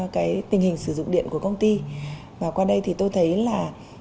cái tình hình sử dụng điện của công ty và qua đây thì tôi thấy là